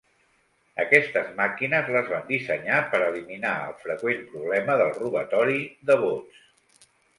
Aquestes màquines les van dissenyar per eliminar el freqüent problema del robatori de vots.